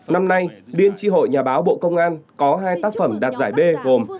năm nay điên tri hội nhà báo bộ công an có hai tác phẩm đặt giải b gồm